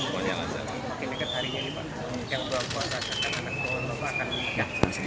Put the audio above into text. ya yang itu lagi